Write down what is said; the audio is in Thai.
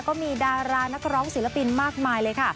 ก็มีดารานักร้องศิลปินมากมายเลยค่ะ